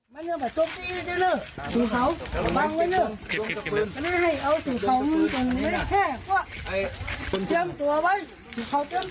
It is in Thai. เตรียม๒วันเดี๋ยวยัง